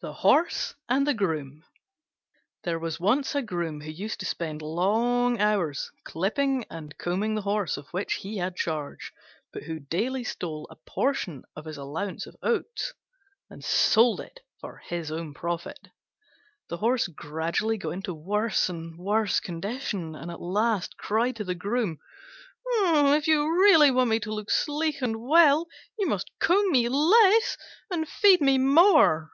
THE HORSE AND THE GROOM There was once a Groom who used to spend long hours clipping and combing the Horse of which he had charge, but who daily stole a portion of his allowance of oats, and sold it for his own profit. The Horse gradually got into worse and worse condition, and at last cried to the Groom, "If you really want me to look sleek and well, you must comb me less and feed me more."